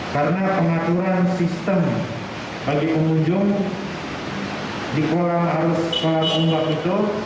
karena pengaturan sistem bagi pengunjung di kolam arus kolam umbat itu